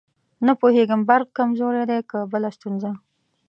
نه پوهېږم برق کمزورې دی که بله ستونزه.